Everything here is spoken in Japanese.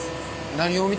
何を見て？